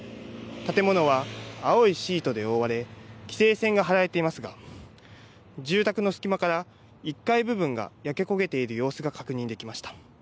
建物は青いシートで覆われ規制線が張られていますが住宅の隙間から１階部分が焼け焦げている様子が確認できました。